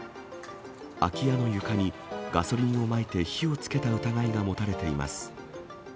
空き家の床にガソリンをまいて火をつけた疑いが持たれています。